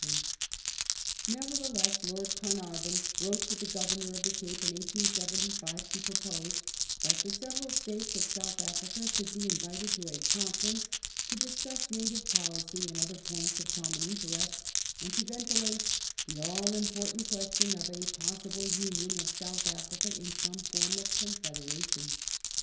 Attemp Nevertheless, Lord Carnarvon wrote to the Governor of the federation ^P^ ^^ 1875 to propose that the several States of South Africa should be invited to a Confei ence to discuss native policy and other points of common interest, and to ventilate *'the all im portant question of a possible union of South Afriai in some form of confederation